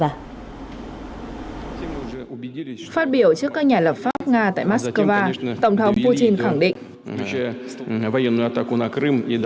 phát biểu trước các nhà lập pháp nga tại moscow tổng thống putin khẳng định